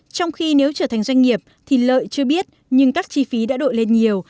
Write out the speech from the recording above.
trong khi nếu trở thành doanh nghiệp thì lợi chưa biết nhưng các chi phí đã đội lên nhiều